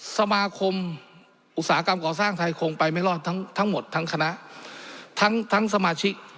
สมาคมอุตสาหกรรมก่อสร้างไทยคงไปไม่รอดทั้งทั้งหมดทั้งคณะทั้งสมาชิก